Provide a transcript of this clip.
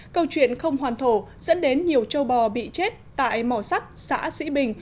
câu chuyện không hoàn thổ dẫn đến nhiều châu bò bị chết tại mỏ sắt xã sĩ bình